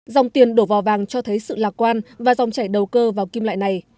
dòng tiền đổ vò vàng cho thấy sự lạc quan và dòng chảy đầu cơ vào kim loại này